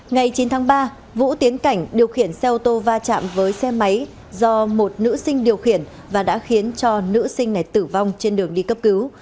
ngày chín tháng ba vũ tiến cảnh điều khiển xe ô tô va chạm với xe máy do một nữ sinh điều khiển và đã khiến cho nữ sinh này tử vong trên đường đi cấp cứu